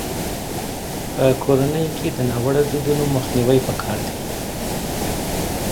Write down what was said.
په کورنيو کي د ناوړه دودونو مخنيوی پکار دی.